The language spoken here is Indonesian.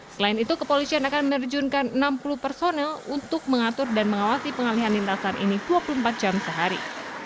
selain itu kepolisian akan menerjunkan enam puluh personel untuk mengatur dan mengawasi pengalihan lintasan ini dua puluh empat jam sehari